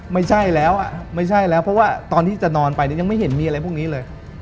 ไม่ใช่แล้วอ่ะไม่ใช่แล้วเพราะว่าตอนที่จะนอนไปเนี่ยยังไม่เห็นมีอะไรพวกนี้เลย